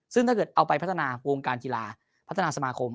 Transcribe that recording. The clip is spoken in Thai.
ซึ่งถ้าเกิดเอาไปพัฒนาวงการกีฬาพัฒนาสมาคม